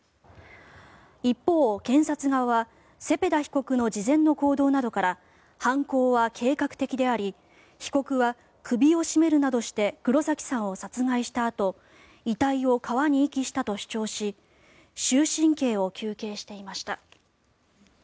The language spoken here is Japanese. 一方、検察側はセペダ被告の事前の行動などから犯行は計画的であり被告は首を絞めるなどして黒崎さんを殺害したあと遺体を川に遺棄したと主張し終身刑を求刑していました。